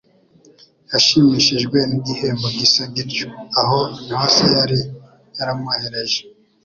yashimishijwe n'igihembo gisa gityo. Aho niho Se yari yaramwohereje.